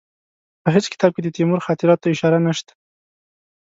په هېڅ کتاب کې د تیمور خاطراتو ته اشاره نشته.